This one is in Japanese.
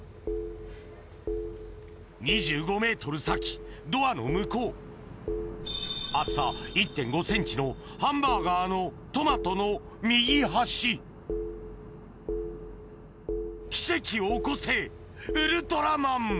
２５ｍ先ドアの向こう厚さ１．５ｃｍのハンバーガーのトマトの右端奇跡を起こせウルトラマン！